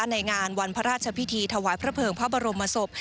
ในงานวันพระราชพิธีถวายพระเภิงพระบรมศพ